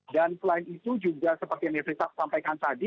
dan selain itu juga seperti yang saya sampaikan tadi